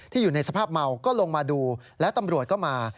อยู่ในสภาพเมาก็ลงมาดูและตำรวจก็มา